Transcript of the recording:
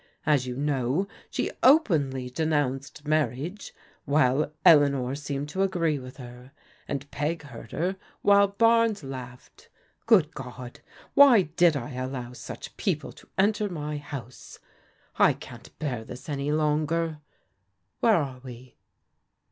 As you know, she openly denounced marriage, while Eleanor seemed to agree with her. And Peg heard her, while Barnes laughed. Good God, why did I allow such people to enter my house? I can't bear this any longer. Where are we?"